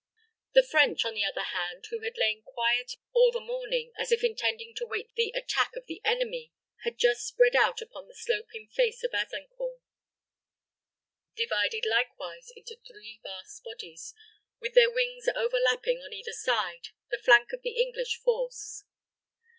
The French, on the other hand, who had lain quiet all the morning, as if intending to wait the attack of the enemy, had just spread out upon the slope in face of Azincourt, divided likewise into three vast bodies, with their wings overlapping, on either side, the flank of the English force.